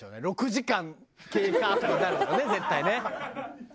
「６時間経過」とかになるだろうね絶対ね。